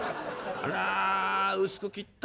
あら薄く切ったねこら。